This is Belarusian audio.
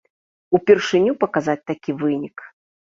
Упершыню паказаць такі вынік!